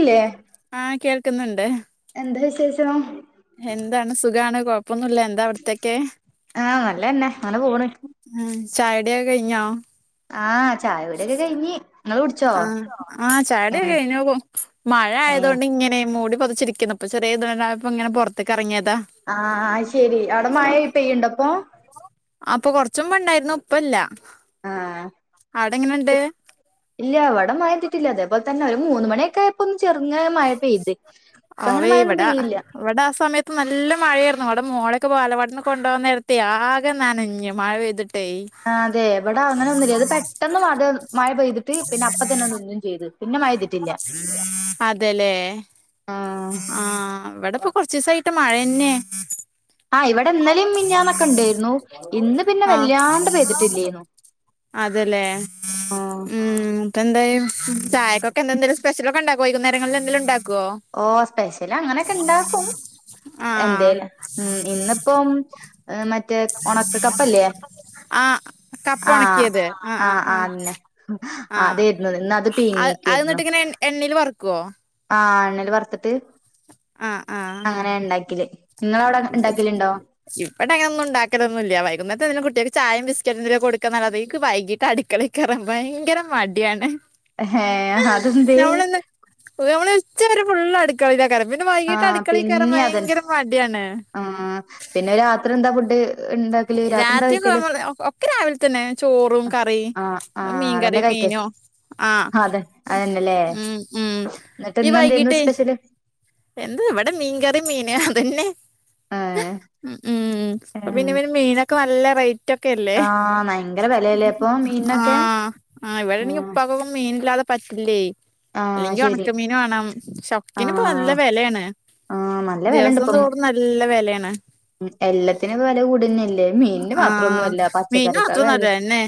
ഇല്ലേ ആഹ് കേൾക്കുന്നുണ്ട് എന്ത വിശേഷം എന്താണ് സുഖാണ് കൊഴപ്പൊന്നുല്ല എന്താ അവിടത്തേക്കെ ആഹ് നല്ലന്നെ അങ്ങനെ പോണ് അഹ് ചായുടിയക്കെ കഴിഞ്ഞോ ആഹ ചായ കൂടൊക്കെ കഴിഞ്ഞ് ഇങ്ങള് കുടിച്ചോ ആ ആഹ് ഏഹ് ചായുടൊക്കെഞ്ഞ് മഴ ഏഹ് ആയതൊണ്ട് ഇങ്ങനെ മൂടി പൊതച്ചിരിക്കുണു അപ്പ ചെറിയ ഇതുണ്ടായ പ്പൊങ്ങനെപുറത്തിറങ്ങിയതാ ആഹ് അത് ശെരി അവിടെ മായ പെയ്യുണ്ടപ്പോ അപ്പൊ കൊറച്ചുമ്പോണ്ടായിരുന്നു ഇപ്പല്ല ആഹ് അവ്ടെങ്ങനെണ്ട്? ഇല്ല ഇവടെ മഴെയ്യ്ത്ട്ട്‌ല്ലാ അതേപോലെതന്നെ ഒരു മൂന്ന് മണിയൊക്കെ ഒരു ചെർങ്ങനെ മഴ പെയ്ത് ഇപ്പങ്ങനെ മഴയൊന്നും പെയ്യില്ലാ. ഇവടെ ആഹ് സമയത്ത് ന്നല്ല മഴേർന്നു ഇവടെ മോളേക്കെ വാലവാടിന്ന് കൊണ്ടോവാൻ ന്നെരത്തെയ് ആകെ ന്നനഞ്ഞു മഴ പെയത് ട്ടെയ് ആഹ് അതെ ഇവടെ അങ്ങനൊന്നുല്ല ഇത് പെട്ടെന്ന് മത മഴ പെയ്തിട്ട് പിന്നെ അപ്പ തന്നെ ന്നിന്നും ചെയ്ത്. പിന്നെ മഴ പെയ്തിട്ടില്ല അതല്ലേ ആഹ് ആഹ് ഇവടെകൊ കൊർച്ചിസായിട്ട് മഴന്നെ ആഹ് ഇവിടെ ഇന്നലിം മിഞ്ഞാന്നൊക്കെ ഇണ്ടേര്ന്നു ഇന്ന് പിന്നെ ആഹ് വല്ലാണ്ട് പെയ്തിട്ടില്ലേന്നു അതെല്ലേ ആഹ് ഉം ഇപ്പെന്തെയ്? ചായക്കൊക്കെന്ത എന്തെലും സ്പെഷലക്കെണ്ടാക്കോ വൈകുന്നരങ്ങളിൽ എന്തെങ്കിലും ഇണ്ടാക്കോ? ഓഹ് സ്പെഷ്യലങ്ങനൊക്കെ ഇണ്ടാക്കും ആഹ് എന്തേല ഉം ഇന്നിപ്പം എഹ് മറ്റേ ഒണക്ക കപ്പല്ലേ? ആഹ് ആഹ് ആന്നെ അതെര്ന്നു ഇന്നട് അയ് അയ്ന്ന്ട്ട് ഇങ്ങനെ എണ്ണില് വർക്കോ? ആഹ് എണ്ണേല് വർത്ത്ട്ട് ആഹ് ആഹ് അങ്ങനെ ഇണ്ടാക്കെല്. ആഹ് [inaudible] ഇമ്പടെ അങ്ങന ഒന്നുംണ്ടാക്കലൊന്നുല്ല വൈകുന്നേത്ത് പിന്നെ കുട്ട്യാക്ക് ചായിം ബിസ്ക്കെറ്റും എന്തെങ്കിലും കൊടുക്കാന്നല്ലതെ ഇൻക് വൈഗിട്ട്അടി കളെക്കറൻ ഭയങ്കര മടിയാണ് ഹെ അതന്തെ? [inaudible] ള് രുച്ച വരെ ഫുള്ള് അടുക്കളിലെക്കാരം പിന്നെ വൈകീട്ട് ആഹ് അടുക്കളി കെറാൻ പിന്നെ അതന്നെ ഭയങ്കര മടിയാണ്. ആഹ് പിന്നെ രാത്രി എന്താ ഫുഡ്? ഉണ്ടാക്കല് രാത്രി എന്താ കഴിക്കല് രാത്രിവുന്ന്ലെ ഒക് ഒക്കെ രാവിൽ തന്നെ ചോറും കറിം ആഹ് മ്പ്ടെ ആഹ് മീകറി അതന്നെ കഴിക്കല് മീന്നും ആഹ് അതെ പിൻ അതന്നെല്ലേ ഉം ഉം എന്നിട്ട് ഈ ഇന്ന് എന്തായിരുന്നു വൈകിട്ടെയ് സ്പെഷ്യല് എന്ത് ഇവടെ മീൻകറി മീന്നും അതന്നെ ഏഹ് ഉം ഉം ഇപ്പൊ ആഹ് പിന്നെ മീനൊക്കെ ന്നല്ല റെയ് റ്റൊക്കെല്ലേ ഭയങ്കര വിലയല്ലേ അപ്പൊ മീനിനൊക്കെ ആഹ് ആ ഇവടെണേങ്കി ആഹ് പ്പക്കൊക്കെ മീന്നില്ലാതെ പറ്റില്ലേയ് ആഹ് അല്ലെങ്കി ശരി ഉണക്കമീന് വാണം ക്ഷൊക്ക്ത്തിനും ആഹ് പ്പന്നല്ലെ വെലെണ് ആഹ് നല്ല വെലണ്ട് ദിവസം ഇപ്പം തോറുംന്നല്ലെ വെലെണ്. ഉം എല്ലാത്ത്നും വെല കൂടന്നല്ലേ മീന് മാത്രംന്നോല്ല പച്ചക്കറിക്കൊക്കെണ് ന്നെ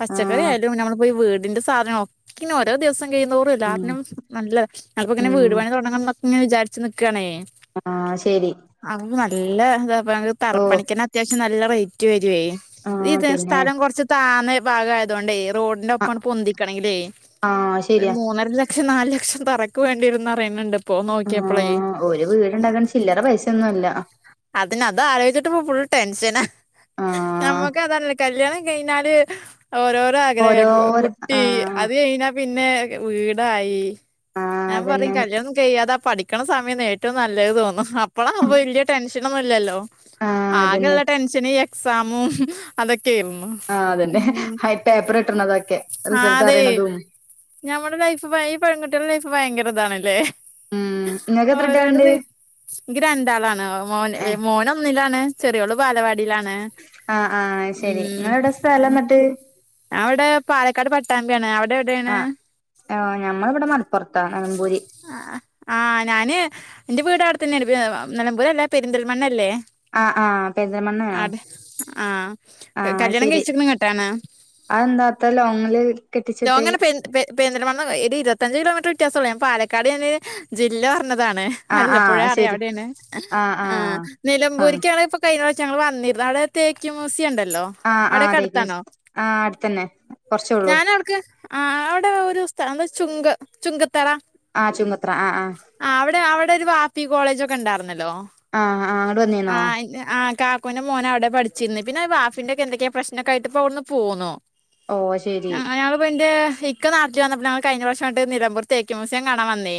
പച്ചക്കറി ആയാലും ന്നമ്മൾ പോയി വെട് തിന്റെ സാധനളൊക്കിനു ഓരോ ദിവസം കഴ്തോറും ഉം എല്ലാത്ത്നുംന്നല്ല ഞാന്പ്പോഇങ്ങെനെ വീട് ഉം പണി തൊടങ്ങണംന്നൊക് ങ്ങെവിചാരിച്ച് ന്നിക്കണേ ആഹ് ശരി അങ്ങ് ന്നല്ലെ ദപ്പോ ഞങ്ങക്ക് ഓഹ് തറപണിക്കെന്നെ അത്യാവ്ശ്യം ന്നല്ല റേറ്റ് വെരുയ് ഈ ആഹ് ത പിന്നെ സ്ഥലം കൊർച്ച് താന്ന ഭാഗായതൊണ്ടേയ്.? റോഡിന്റെ ആഹ് ഒപ്പണ് പൊന്തിക്കണെങ്കിലെ ആഹ് ഒരു ശരിയാ മൂന്നര ലക് ക്ഷം ന്നാല് ലക്ഷം തറക്ക് വേണ്ട്യരുംന്ന്റിയണ് ണ്ട്പ്പൊ നോക്കിയപ്പളേയ് ആഹ് ഒരു വീടുണ്ടാക്കാൻ ചില്ലറ പൈസയൊന്നും അല്ല. അതെന്നെ അത് ആലോയ്ച്ചിട്ട്പ്പോ ഫുൾ ടെൻഷന. ആഹ് ന്നമ്മക്കെതല്ല കല്യാണം കഴിനാല് ഓരോരോ ആഗ്രഹകും കു ഓരോര കുട്ടി ആഹ് അത് കഴിഞ്ഞാ പിന്നെ വീടായി ആഹ് ഞാൻ അതന്നെ പറയും കല്യാണം കയ്യാതാ പഠിക്ക്ണ സമയണ് ഏറ്റവും ന്നല്ലത് തോന്നും അപ്പളാവുംമ്പോ വല്ല്യ ക്ഷിണോന്നുല്ലല്ലോ ആഹ് അതന്നെ ആകെള്ള ടെൻഷന് എക്സാമും അതൊക്കെര്ന്നു. ആഹ് അതന്നെ ഹെ പേപ്പറ്ട്ട്ണതൊക്കെ റിസൾട്ട് അറിണതും. ഞമ്മളെ ലൈഫ് പയെ പെൺകുട്ട്യാളെ ലൈഫ് ഭയങ്കരതാണ്ല്ലേ? ഉം ഇങ്ങക്ക് എത്രട്ട്യാള്ണ്ട്? എൻക്ക് രണ്ടാളാണ് മോൻ വെ മോനൊന്നിലാണ്. ചെറിയോള് ബാലവാടിയിലാണ് ആഹ് ആഹ് ശരി ഉം നിങ്ങളെവിടെ സ്ഥലം എന്നിട്ട് അവിടെ പാലക്കാട് പട്ടാമ്പിയാണ്. അവിടെ.. എവിടെയാണ് ആഹ് ആ ഞമ്മളിവിടെ മലപ്പുറത്താണ് നെലമ്പുര് ആ ആഹ് ഞാന് എന്റെ വീട്, അവിടെത്തന്നെ ആണ്. നിലമ്പൂര് അല്ല പെരിന്തൽമണ്ണല്ലേ? ആഹ് ആഹ പെരിന്തൽമണ്ണയാ. ആഹ് കല്യാണം കഴിച്ചത് ഇങ്ങോട്ടാണ്. അതെന്താ അത്ര ലോങ്ങില് കെട്ടിച്ച് വിട്ടേ.? ലോങ്ങാണ് പെ പെ പെരിന്തൽമണ്ണ ഒരു ഇരുപത്തഞ്ചച് കിലോമീറ്റർ വ്യത്യാസമുള്ളൂ. പാലക്കാട് എന്നൊരു ജില്ല പറഞ്ഞതാണ്. ആഹ് നല്ലപ്പുഴ ആഹ് അറിയാം. ശരി അവിടെയാണ് ആഹ് ആ ആഹ് ആഹ് നിലംമ്പൂരിക്കാണ പ്പോ കഴിഞ്ഞ പ്രാവിശ്യം ഞങ്ങള് വന്നിരുന്നു. അവിടെ തേക്ക് മ്യൂസിയം ഉണ്ടല്ലോ.? ആഹ് ആ അ തേക്ക് മ്യൂസിയം ആ അടുത്തന്നെ. കൊറച്ചേ ഉള്ളൂ ഞാനിടക്ക്, ആ അവിടെ ഒരു സ്ഥലം ചുങ്ക ചുങ്കത്തറ. ആഹ് ചുങ്കത്തറ ആഹ് അ.. ആഹാംഅവിടെ. അവിടെ ഒരു പാപ്പി കോളേജൊക്കെ ഉണ്ടായിരുന്നല്ലോ ആഹ് ആഹ് അങ്ങട് ആ വന്നീന്നോ ആ കാ എൻ്റെ മോന് അവിടെ പഠിച്ചിരുന്നു. പിന്നെ ആ വാഫിന്റെ എന്തൊക്കെയോ പ്രശ്‌നോക്കയായിട്ട്, ഇപ്പോ അവിടുന്നു പോന്നു. ഓ ശരി അയാളിപ്പോ എന്റെ ഇക് ഇക്ക നാട്ടിൽ വന്നപ്പോ ഞങ്ങൾ കഴിഞ്ഞ വർഷം അങ്ങോട്ട് നിലമ്പൂർ തേക്ക് മ്യൂസിയം കാണാൻ വന്നേ.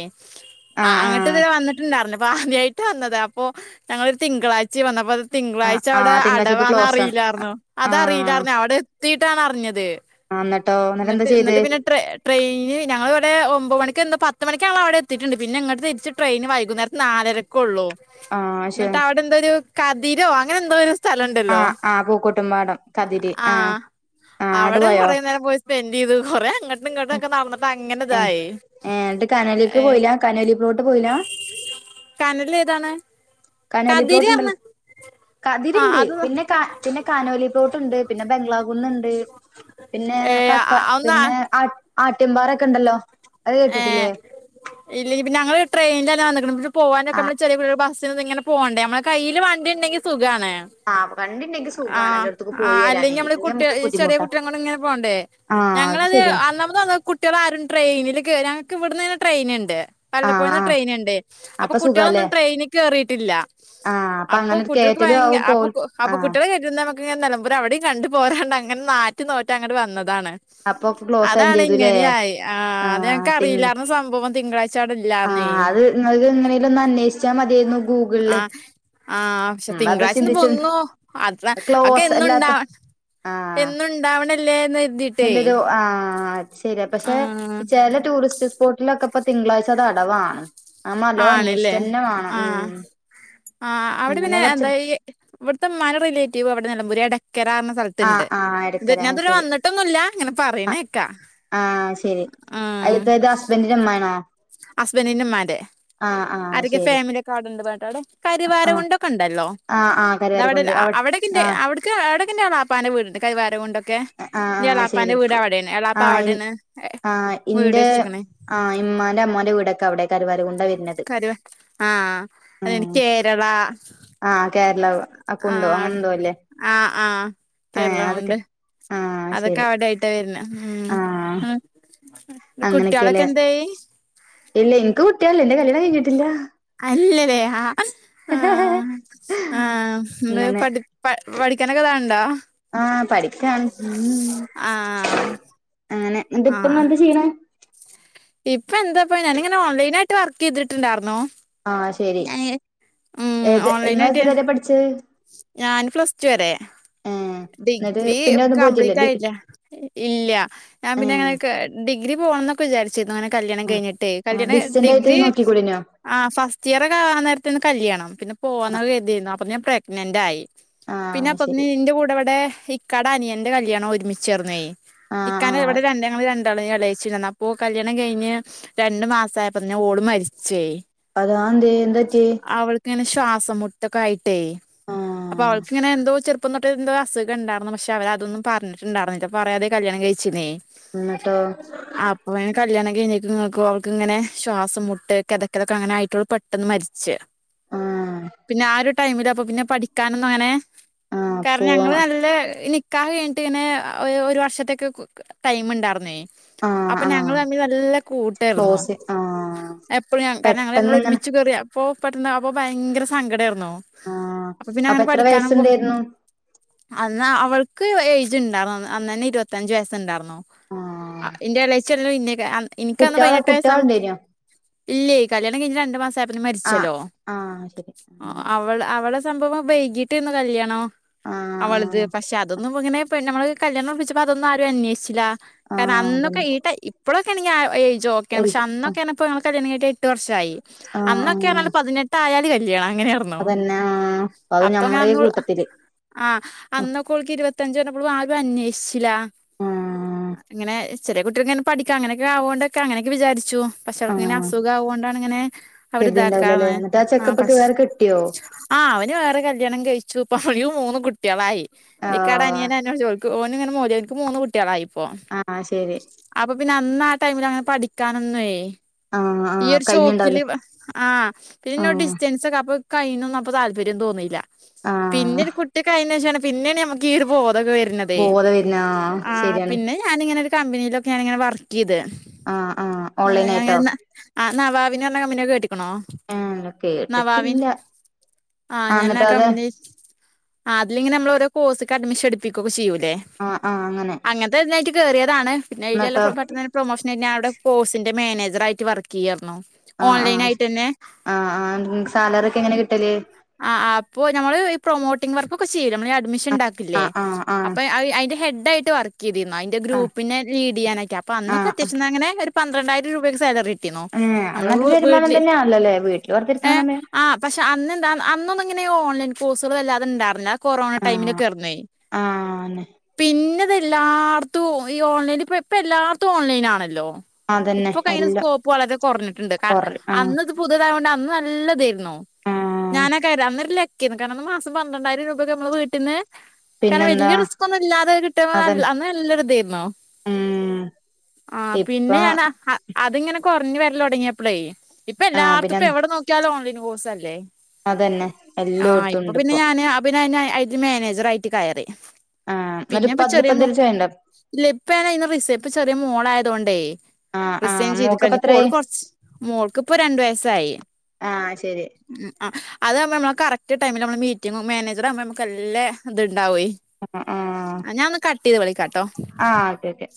ആഹ് അങ്ങട്ട് വന്നിട്ടുണ്ടായിരുന്നു. അപ്പ ആദ്യമായിട്ട് വന്നത്. അപ്പൊ ഞങ്ങളൊരു തിങ്കളാഴ് ച്ചേ വന്നപ്പോ അത് ആഹ് തിങ്കളാഴ്ച അവിടെ ആഹ് തിങ്കളാഴ്ച ക്ലോസാണ് അടവാണെന്ന്റിയില്ലായിരുന്നു. ആഹ് അതറിയില്ലായിരുന്നു അവിടെ എത്തീട്ടാണ് അറിഞ്ഞത്. ആഹ് എന്നിട്ടോ എന്താ എന്നിട്ട്, ചെയ്ത് എന്നിട്ട് പിന്നെ ട്രേ ട്രെയിന് ഞങ്ങളവിടെ ഒമ്പമണിക്ക് പത്ത് മണിക്കാണ് അവിടെ എത്തിട്ടുണ്ട്. പിന്നെ ഇങ്ങോട്ട് തിരിച്ച് ട്രെയിൻ വൈകുന്നേരം നാലര ക്കൊള്ളൂ. ആഹ് അക്ഷേ എന്തോ ഒരു കതിരോ, അങ്ങനെ എന്തോ ഒരു സ്ഥലുണ്ടല്ലോ. ആഹ് ആഹ് പൂക്കോട്ടുംപാടം കതിര് ആഹ്.. ആഹ് അങ്ങട് അവിടെ പോയോ കുറേ നേരം പോയി സ്പെൻഡറ് ചെയ്തു. കൊറെേ അങ്ങട്ട് നിങ്ങോട്ടൊക്കെ നടന്നിട്ട് അങ്ങനെ ഏഹ് ഇതായി ഏഹ് എന്നിട്ട് കനോലിക്ക് ഏഹ് പോയില്ല കനോലി പ്ലോട്ട് പോയില്ല കനല് ഏതാണ്? കനാലി കതിര് പറഞ്ഞ പേട്ടുണ്ടല്ലോ ആ കതിരുണ്ട്. അത് പിന്നെ കാ പിന്നെ കാനോലി തോട്ടുണ്ട്. പിന്നെ ബംഗ്ലാകുന്നുണ്ട്. പിന്നെ ഏ കക്ക. ഒന്ന് പിന്നെ. ആട്ടിൻപാറൊക്കെ ഉണ്ടല്ലോ. അത് ഏഹ് കേട്ടിട്ടില്ലേ ഇല്ല ഞങ്ങൾ ട്രെയിനിൽ തന്നെ വന്നു. പോവാനൊക്കെ ആഹ് നമ്മള് ചെറിയ ബസ് ഇങ്ങനെ പോവണ്ടേ. നമ്മളെ കയ്യിയില് വണ്ടി ഉണ്ടെങ്കിൽ സുഖണ്. ആഹ് വണ്ടിണ്ടെങ്കി ആ സുഖാണ് എല്ലോടത്തേക്ക് ഹ്ആ പോയി വരാന് അല്ലെങ്കിൽ നമ്മള് ഇല്ലെങ്കി കുട്ടികൾ നമുക്ക് ചെറിയ ബുദ്ധിമുട്ടാ കുട്ടികളെ കൊണ്ട്, ഇങ്ങനെ പോകണ്ടേ ആഹ് അത് ഞങ്ങളത് ശരിയാണ് അന്നൊന്നും കുട്ടികൾ ആരും ട്രെയിനിൽ കേറാൻ, ഞങ്ങക്ക് ഇവിടന്ന് തന്നെ ട്രെയിൻ ഇണ്ട്. ആഹ് വല്ലപ്പോഴന്ന് ആഹ് ട്രെയിൻ ഉണ്ട്. അപ്പൊ കുട്ടികളൊന്നും ട്രെയിനി കേറിയിട്ടില്ല. ആഹ് അപ്പൊ അങ്ങനെ കുട്ടികൾക്ക് കേറ്റലും ഭയങ്കര, ആവും പോവ അപ്പൊ. അപ്പൊ ആഹ് കുട്ടികള് ഇന്ന് നമക്ക് ഇങ്ങനെ നിലമ്പൂർ അവിടെയും കണ്ട് പോരാണ്ടണ്ട് അങ്ങനെ ആറ്റ് നോറ്റ് അങ്ങടെ വന്നതാണ് അപ്പൊ ക്ലോസ് ആയും അതാണ് ചെയ്തുല്ലേ ഇങ്ങനെ ആയി ആഹ് അത് അറിയില്ലാരുന്നു. സംഭവം തിങ്കളാഴ്ച അവിടെ ഇല്ലന്നേ ആഹ് അത് നിങ്ങൾക്ക് എങ്ങനെലും ഒന്ന് അന്വേഷിച്ചാൽ മതിയായിരുന്നു ഗൂഗിളില് ആഹ് ആഹ. പക്ഷെ ഉം അത് തിങ്കളാഴ്ചന്ന് ചിന്തിച്ചിണ്ട് പോന്നോ. അത് അതൊക്കെ ക്ലോസ് അല്ലാത്ത എന്നുണ്ടാവ ആഹ് എന്നുണ്ടാവണല്ലേന്ന് ക നല്ലൊരു ആ ശരി. ആ പക്ഷെ ചില ടൂറിസ്റ്റ് സ്പോട്ടിലൊക്കെ ഇപ്പം തിങ്കളാഴ്ച അത് അടവാണ് ആഹ് നല്ലോ ആണല്ലേ. അന്വേഷിച്ചന്നെ വേണം ആ ഉം ആ അവിടെ അങ്ങനെ പിന്നെ കൊറച്ച് എന്തായി ഇവിടുത്തെ ഇമ്മാന്റെ റിലേറ്റീവ് അവിടെ നിലമ്പൂരിൽ എടക്കര എന്ന സ്ഥലത്ത് ണ്ട്. ആഹ് ആഹ് ഇത് എടക്കര ആഹ് ഞാനിതുവരെ ശരി വന്നിട്ടൊന്നുമില്ല. ഇങ്ങനെ പറയുന്ന ആഹ് കേൾക്കാ ആഹ് ശരി. അടുത്തുളളത് ഹസ്ബൻഡന്റെ ഉമ്മാണോ ഹസ്ബൻഡറിന്റെ ഉമ്മാൻ്റെ. അവരൊക്കെ ഫാമിലിയൊക്കെ അവിടുണ്ട്. ആഹ് കരിവാരക്കുണ്ടൊക്കെ ഉണ്ടല്ലോ ആഹ് ആഹ് അത അവിടെ കരുവാരക്കുണ്ട് അവിടെക്ക ആഹ് അവിടൊക്കെ എൻ്റെയാളാ. എളാപ്പാന്റെ വീട്ണ്ട്. കൈരവാരകുണ്ടൊക്കെ ആഹ് ആഹ് എളാപ്പാന്റെ ശരി വീട് അവിടെയാണ് എളാപ്പ അവിടെന്ന് ആ ഇന്റെ ആ ഇമ്മാന്റെ അമ്മമാന്റെ വീടൊക്കെ അവിടെ കരുവരക്കുണ്ട് വരുന്ന ആഹ അ കേരള ആഹ കേരള ക്കുണ്ട് ഉണ്ടോ ആഹ് അങ്ങനെന്തോ അല്ലേ ആഹ് ആഹ് ആ ഏ കേരള അതൊക്കെ കൊണ്ട് ആഹ് അതൊക്കെ ശരി അവിടെയിട്ടാ വരുന്ന ഉം ആഹ് കുട്ടികളൊക്കെ അങ്ങനെയൊക്കെല്ലേ എന്തായി ഇല്ല എനിക്ക് കുട്ടിയാള് ഇല്ലേ എന്റെ കല്യാണം കഴഞ്ഞിട്ടില്ല അല്ലതേ ആഹ് ആഹ് ആഹ് എന്താ അങ്ങനെ പഠി പ പഠിക്കാന് ഇത് ആക്ണ്ടോ ആഹ് പഠിക്കാണ് ആഹ് അങ്ങനെഇന്നട്ട് ഇപ്പം ആഹ് എന്താ ചെയ്യണ് ഇപ്പൊ എന്താപ്പ ഞാന് ഇങ്ങെനെ ഓൺലൈൻ ആയിട്ട് വർക്ക് ചെയ്തിട്ടുണ്ടായിരുന്നോ ആഹ് ശരി ഏത് നിങ്ങെള് ഓൺലൈനായിട്ട് എത്ര വരെ പഠിച്ചത് ഞാൻ പ്ലസ് ടു വരെ ഏഹ് എന്നിട്ട് ഡിഗ്രി പിന്നെ ഒന്നും പോയിട്ടില്ലേ കംപ്ലീറ്റ് ഡി ആയില്ല ഇല്ല ഞാൻ പിന്നെ ഏഹ് അങ്ങനെെ ഡിഗ്രി പോകണം എന്നൊക്കെ വിചാരിച്ചിരുന്നു അങ്ങനെ കല്യാണം ആഹ് കഴിഞ്ഞിട്ട് ട്ട് ആഹ് കല്യാണം ഡിസ്റ്റന്റ് ആയിട്ട് ഡിഗ്രി നോക്കിക്കൂടേനോ ആ ഫസ്റ്റ് ഇയർ ഒക്കെ ആണെ നേരത്തെന്ന് കല്യാണം പിന്നെ പോകുന്നൊക്കെ കരുതിരുന്നു അപ്പൊ ഞാൻ പ്രഗ്നെന്റ് ആയി പിന്നെ ആഹ് അപ്പം ശരി ഇന്റെ കൂടെ ഇവിടെ ഇക്കടെ അനിയന്റെ കല്യാണം ഒരുമിച്ചേർന്നേ ആഹ് ഇക്കാന്റെ ആഹ് ഇവിടെ രണ്ട് ഞങ്ങള് രണ്ട് ള ഇളയിച്ചിണ്ടന്ന അപ്പൊ കല്യാണം കഴിഞ്ഞ് രണ്ടു മാസം ആയപ്പോ തന്നെ ഓള് മരിച്ചേ അതാ അയ് എന്തോ എന്ത് പറ്റി ഇങ്ങനെ ശ്വാസം മുട്ടൊക്കെ ആയിട്ടേ അപ്പൊ ആഹ് അവൾക്കിങ്ങനെന്തോ ചെറുപ്പം തൊട്ട എന്തോ അുഖം ഉണ്ടായിരുന്നു പക്ഷെ അവരതൊന്ന പറഞ്ഞിട്ടുണ്ടായിരുന്നില്ല പറയാതെ കല്യാണം കഴിച്ചിനേയ് എന്നിട്ടോ അപ്പൊ അന് കല്യാണം കഴിഞ്ഞ നിക്ക് അവളക്ക് ഇങ്ങനെ ശ്വാസം മുട്ട് കെതക്കെ ലെക്കെ അങ്ങനെയിട്ടുള്ള പെട്ടന്ന് മരിച്ചച്ച് ആഹ് പിന്നെ ആ ഒരു ടൈമില് അ പിന്നെ പഠിക്കാനൊന്നും അങ്ങനെ ആഹ് കാരണം പോവാ ഞങ്ങള് നല്ല നി ക്കാഹ് കഴഞ്ഞിട്ട ഇങ്ങനെ ഒരു വർഷത്തേക്ക ടൈം ഉണ്ടായിരുന്നേ ആഹ് അപ്പൊ ഞങ്ങള് ആഹ് തമ്മില് നല്ല കൂട്ട ട്ടായിരുന്നു ക്ലോസ് ആഹ് എപ്പോഴും ഞാൻ കാരണം ഞങ്ങൾ പെട്ടെന്ന് രണ്ടാളും ഇങ്ങനെ ഒരുമിച്ച് കയറിയ ഇപ്പൊ പെട്ടെന്ന് അപ്പൊ ഭയങ്കര സങ്കട ആയിരുനു ആഹ് അപ്പൊ പിന്നെ അങ്ങനെ എത്ര പഠിക്കാനും വയസ്സുണ്ടായിരുന്നു അന്ന് അവൾക്ക് ഏയ്ജ് ഉണ്ടായിരുന്നു അന്ന് തന്നെ ഇരുപത്തഞ്ച് വയസ്സുണ്ടായിരുന്നോ ആ ആഹ് ഇന്റെ ഇളച്ചി എല്ലാം ഇനെകാള് ഇനിക്കന്ന് കുട്ടികളെ പതിനെട്ട് വയസ്സ് ആ കുട്ടികളുണ്ടായിനോ ഇല്ലേ കല്യാണം കഴിഞ്ഞ് രണ്ടു മാസ ആയപ്പോന്ന ആഹ് മരിച്ചല്ലോ ആഹ് ശരി ആഹ് അവ അവളെ സംഭവം വൈകീട്ട് ആന്ന് കല്യാണോ അവളത് ആഹ് പക്ഷെ അതൊന്നും ഇങ്ങനെ പിന്നെ നമ്മള് കല്യാണം ഉറപ്പിച്ചപ്പോ അതൊന്നും ആരും അന്വേഷിച്ചില്ല കാരണം ആഹ് അന്നൊക്കെ അതന്നെ ഈ ടൈ ഇപ്പോഴൊക്കെ ആണോങ്കിൽ ആ എയ്ജ് ഓക്കേ പക്ഷേ വലുത് അന്നൊക്ക ആഹ് ആ പറഞപ്പേ നമ്മുക്ക് കല്ലിയാണം കഴിഞ് എട്ട് വർഷമായി അന്നൊക്കെ ആഹ് പറഞ്ഞാല് പതിനെട്ട് ആയാല് കല്യാണം അങ്ങനെ ആയിരുന്നോ നാ.. അപ്പൊ ഞാൻന്നു ആഹ് അന്നക്കൊൾക്ക് ഇരുപത്തിഞ്ച പറഞ്ഞപ്പോഴും ആരും അന്വേഷിച്ചില്ല. ആഹ് ഇങ്ങനെ ചെറിയ കുട്ടികൾ ഇങ്ങനെ പഠിക്കാം അങ്ങനെയൊക്കെ ആകോണ്ടൊക്കെ അങ്ങനെയൊക്കെ വിചാച്ചു.. പക്ഷേ അവക്കി ങ്ങനെ ആഹ് അസുഖ ആവുകൊണ്ടാണ് ഇങ്ങനെ അവർ കരുതിണ്ടാവില്ലല്ലേ ഇതാക്കാന്നേ എന്നിട്ട് ആ ചെക്കപ്പൊക്കെ പക്ഷ വേറെ കിട്ടിയോ വര് വേറെ കല്യാണം കഴിച്ചു ഇപ്പ മൂന്ന് കുട്ടികളായി ഇക്കെട ആഹ് അനിയനെോട് ചോദി ഓന്ങ്ങെമോതി എനിക്ക് മൂന്ന് കുട്ടികളായി ഇപ്പോ. ആഹ് ശരി അപ്പൊ പിന്നെ അന്ന് ആ ടൈമില് അങ്ങനെ പഠിക്കാനൊന്നേ ആഹ് ഈ ആഹ് ഒരു ചോയിക്കല് കഴിഞ്ഞിണ്ടാവല്ലേ ആഹ് പിന്നെന്നോ ആഹ് ഡിസ്റ്റൻസ് ഒക്കെപ്പൊ കയ്യിന്നും അപ്പൊ താല്പര്യം തോന്നിയില്ല. പിന്നെ ആഹ് ഒരു കുട്ടി ക്കെയേന് ശേഷമാണ് പിന്നെയാണ് നമ്മക്ക് ഈ ഒരു ബോതൊക്കെ വരുന്നത് അതെ ബോധം വരുന്ന ആഹ് ആ ശരിയാണ് പിന്നെ ഞാനിങ്ങനെ ഒരു കമ്പനിയിലൊക്കെ നങ്ങിനെ വർക്ക് ചെയ്ത് ആഹ് ആഹ് ഓൺലൈൻ ഞ ആയിട്ടോ ആന്നാ വാവിനെന്ന് കമ്പനി കേറ്റീക്കണു. ഏഹ് ന്നേ കേട്ടിട്ടില്ല. ആഹ് ആഹ്ഞാന എന്നിട്ടോ ആ അത് കമ്പനി ആ അതിലെങ്കി നമ്മള ഓരോ കോഴ്സക്ക് അഡ്മിഷൻ എടുപ്പിക്കുകൊക്കെ ചെയ്യൂല്ലേ? ആഹ് ആഹ് അങ്ങനെ അങ്ങനത്തെ ഇതിനായിട്ട് കയറിയതാണ് പിന്നെ അതിലല്ല എന്നിട്ടോ പെട്ട പ്രൊമോഷനായി് ഞാനവിടെ കോഴസിന്റെ മാനേജർ ആയിട്ട് വർക്ക് ചെയ്യായിരുന്നു. ഓൺലൈൻ ആഹ് ആയിട്ട് തന്നെ ആഹ് ആ സാലറി ഒക്കെ എങ്ങനെ കിട്ടല്. ആഹ് അഹ് അപ്പോ നമ്മൾ പ്രൊമോട്ടിംഗ് വർക്ക ഒക്കെ ചെയ്യില്ല നമ്മള് അഡ്മിഷനിണ്ടാക്കി- ക്കില്ലേ ആഹ് ആഹ് ആഹ് അപ്പൊ അതിന്റെ ഹെഡ് ആയിട്ട് വർക്ക് ചെയ്തിനു അയ് ന്റെ ആഹ് ഗ്രൂപ്പിനെ ലീ്ഡ് ചെയ്യാനൊക്കെ അപ്പൊ ആഹ് അന്നൊക്കെ ആഹ് അത്യാശ്യം അങ്ങനെ പന്ത്രണ്ടായിരം രൂപക്കെ സാലറി ട്ടിനു ഏഹ് അത് നമ്മള നല്ലൊരു വരുമാനം വീട്ടില് തന്നെയാണല്ലോല്ലേ വീട്ടിൽ വെറുതിരിക്കണ ഏഹ് സമയം ആഹ് പക്ഷെ അന്ന് എന്താ അന്ന ഇങ്ങനെ ഓൺലൈൻ കോഴ്സുകൾല്ലാതെണ്ടാർന്ന്ല്ലേ കൊറോണ ആഹ് ടൈമിലൊകെ ഇർന്നേ ആഹ് പിന്നെതെല്ലാർത്തും ഈ ഓൺലൈൻ ഇപ്പ ഇപ്പ എല്ലാർത്തും ഓൺലൈൻാണല്ലോ? അതന്നെ ഇപ്പൊ ക്കയിന് എല്ലാം സ്കോപ്പ് വളരെെ കുറഞ്ഞിട്ടുണ്ട് ക കൊറ ആഹ് അന്നത് പുതുയതായ കൊണ്ട് അന്ന് നല്ലതായിരുന്നൂ. ആഹ് ഞാനാ കാര്യം അന്നരല്ലേ ക്കിന് കാരണം മാസം പന്ത്രണ്ടായിരം രൂപൊക്കെ നമ്മള് വീട്ടിന്ന് കാരണം പിന്നെന്താ വലിയ റിസ്ക്ന്നും ഇല്ലാതെ കിട്ടല്ല അതന്നെ അന്ന് നല്ലൊരു ഇതായിരുന്നോ ഉം ആഹ് ഇപ്പൊ പിന്നെഞാനാ അത്ങ്ങനെ കുറഞ്ഞ് വരല് തുടങ്ങിയപ്പോളേ ഇപ്പൊ ആഹ് പിന്നെ എല്ലാർത്തുംപ്പ എവിടെ നോക്കിയാലും ഓൺലൈൻ കോഴ്സ്സല്ലേ? അതന്നെ. ആഹ് എല്ലോടത്തും ഇപ്പൊ ഉണ്ട് പിന്നെ ഞാന് അതി മാനേജർ ആയിട്ട് കയറി. ആഹ് പിന്നെ എന്നട്ടിപ്പ ഇപ്പ ചെറിയ മോ അതിലെന്തെലും ചെയ്യണ്ടോ? ഇല്ല ഇപ്പനാ ഇന്ന് റിസ ഇപ്പ ചെറിയ മോളായതൊണ്ടേ ആഹ് ആഹ് റെസിങ്ങ് ചെയ്ത് മോക്കിപ്പ കഴിഞ്ഞ ഇപ്പോ ഓള് എത്രായി കൊറച്ച് മോൾക്ക് ഇപ്പോ രണ്ടു വയസായി. ആഹ് ശരി ആഹ് അതാവുമ്പോ നമ്മള് കറക്റ്റ് ടൈമിൽ നമ്മള് മീറ്റിംഗും മാനേജറ ആവുമ്പോ നമുക്ക് എല്ലാം ഇത് ഇണ്ടാവുവേ ആ ആഹ് ആഹ് ഞാനൊന്ന് കട്ട് ചെയ്ത് വിളിക്കാട്ടോ? ആഹ് ഒക്കേഒക്കെ